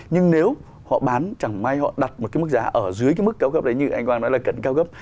nhưng nếu họ bán chẳng may họ đặt một cái mức giá ở dưới cái mức cao cấp đấy như anh quang nói là cận cao gấp